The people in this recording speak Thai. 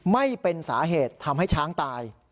ไม่เป็นสาเหตุทำให้ช้างตาย